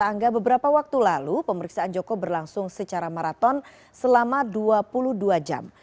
angga beberapa waktu lalu pemeriksaan joko berlangsung secara maraton selama dua puluh dua jam